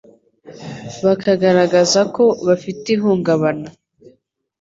bakagaragaza ko bafite ihungabana